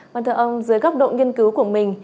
vâng thưa ông dưới góc độ nghiên cứu của mình